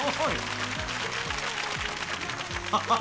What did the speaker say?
アハハハ！